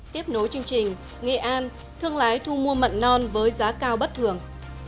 tiếp nối chương trình nghệ an thương lái thu mua mận non với giá cao bất thường